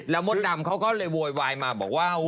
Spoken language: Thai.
แล้วมดดำเขาก็เลยโวยวายมาบอกว่า